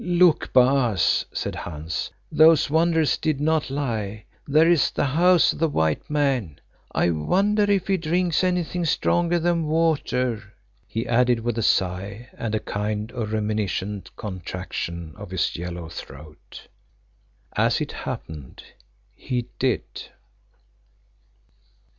"Look, Baas," said Hans, "those wanderers did not lie; there is the house of the white man. I wonder if he drinks anything stronger than water," he added with a sigh and a kind of reminiscent contraction of his yellow throat. As it happened, he did.